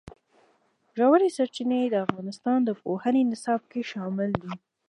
ژورې سرچینې د افغانستان د پوهنې نصاب کې شامل دي.